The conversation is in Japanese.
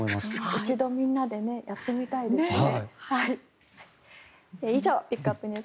一度みんなでやってみたいですね。